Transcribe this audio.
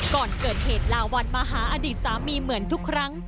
ก่อนเกิดเหตุลาวัลมาหาอดีตสามีเหมือนทุกครั้ง